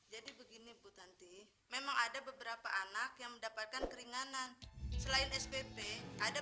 jadi begini bu tanti memang ada beberapa anak yang mendapatkan keringanan selain spp ada